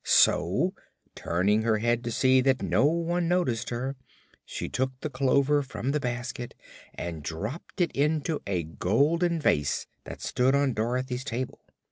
So, turning her head to see that no one noticed her, she took the clover from the basket and dropped it into a golden vase that stood on Dorothy's table.